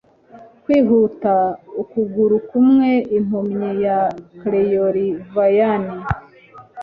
kwihuta ukuguru kumwe, impumyi ya clairvoyant